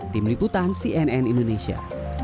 tim liputan cnn indonesia